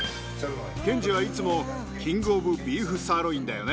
ケンジはいつもキングオブビーフ・サーロインだよね。